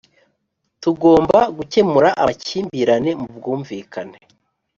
Tugomba gukemura amakimbirane mu bwumvikane